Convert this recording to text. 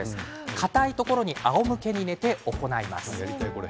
硬いところにあおむけに寝て行います。